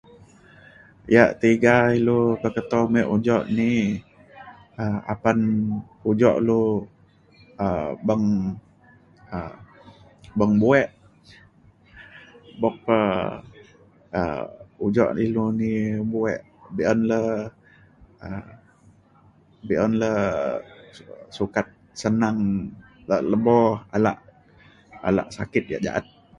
yak tiga ilu peketo muek ujok ni um apan ujok lu um beng um beng buek. buk pa um ujok dulu ni buek be'un le um be'un le sukat senang kak lebo alak alak sakit yak ja'at.